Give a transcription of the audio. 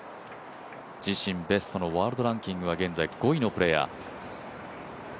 自身ベストのワールドランキング、現在５位のプレーヤー。